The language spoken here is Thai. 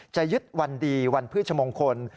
จะยึดวันดีวันพฤชมงคล